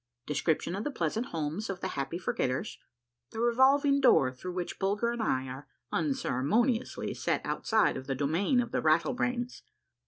— DESCRIPTION OF THE PLEASANT HOMES OF THE HAPPY FORGETTERS. — THE REVOLVING DOOR THROUGH WHICH BULGER AND I ARE UNCEREMONIOUSLY SET OUT SIDE OF THE DOMAIN OF THE RATTLEBRAINS.